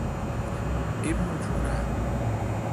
ایم موچون اں؟